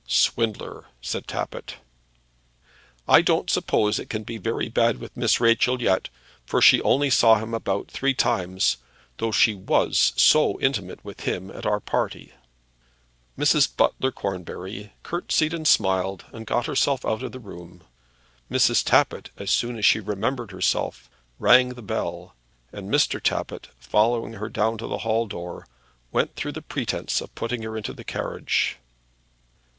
"Swindler!" said Tappitt. "I don't suppose it can be very bad with Miss Rachel yet, for she only saw him about three times, though she was so intimate with him at our party." Mrs. Butler Cornbury curtseyed and smiled, and got herself out of the room. Mrs. Tappitt, as soon as she remembered herself, rang the bell, and Mr. Tappitt, following her down to the hall door, went through the pretence of putting her into her carriage.